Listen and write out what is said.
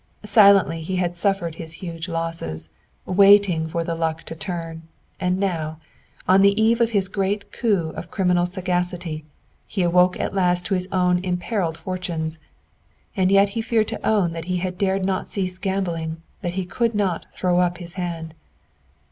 Silently he had suffered his huge losses, waiting for the luck to turn, and now, on the eve of his great coup of criminal sagacity, he awoke at last to his own imperiled fortunes, and yet he feared to own that he dared not cease gambling, that he could not "throw up his hand."